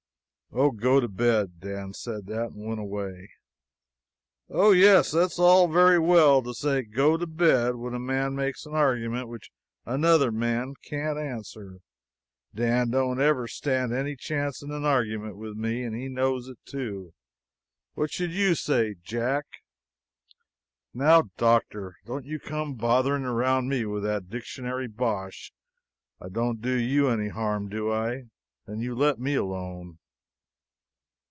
"Oh, go to bed!" Dan said that, and went away. "Oh, yes, it's all very well to say go to bed when a man makes an argument which another man can't answer. Dan don't never stand any chance in an argument with me. And he knows it, too. What should you say, Jack?" "Now, Doctor, don't you come bothering around me with that dictionary bosh. I don't do you any harm, do I? Then you let me alone."